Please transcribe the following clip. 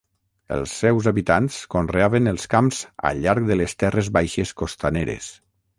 Els seus habitants conreaven els camps al llarg de les terres baixes costaneres.